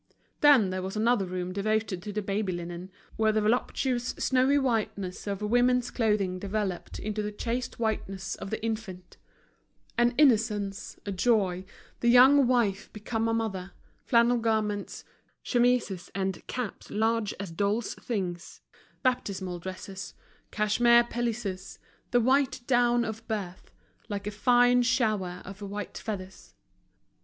Then there was another room devoted to the baby linen, where the voluptuous snowy whiteness of woman's clothing developed into the chaste whiteness of the infant: an innocence, a joy, the young wife become a mother, flannel garments, chemises and caps large as doll's things, baptismal dresses, cashmere pelisses, the white down of birth, like a fine shower of white feathers.